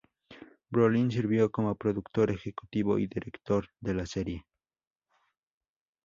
Brolin sirvió como productor ejecutivo y director de la serie.